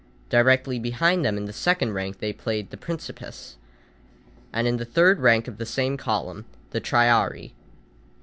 Directly behind them, in the second rank, they placed the principes; and in the third rank of the same column, the triarii.